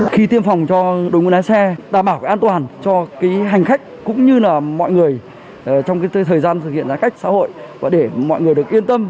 khi tiêm phòng cho đội ngũ lái xe đảm bảo an toàn cho hành khách cũng như là mọi người trong thời gian thực hiện giá khách xã hội để mọi người được yên tâm